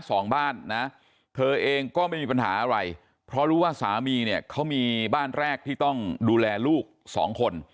สองบ้านนะเธอเองก็ไม่มีปัญหาอะไรเพราะรู้ว่าสามีเนี่ยเขามีบ้านแรกที่ต้องดูแลลูกสองคน